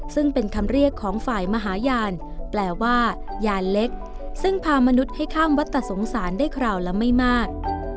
ซึ่งเป็นคำเรียกของฝ่ายมหาญาณแปลว่ายานเล็กซึ่งพามนุษย์ให้ข้ามวัตตสงสารได้คราวละไม่มาก